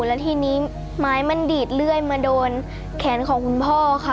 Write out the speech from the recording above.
แล้วทีนี้ไม้มันดีดเลื่อยมาโดนแขนของคุณพ่อค่ะ